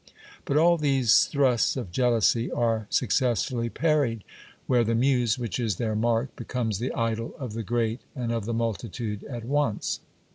But all these thrusts of jealousy are successfully parried, where the muse, which is their mark, becomes the idol of the great and of the multitude at once.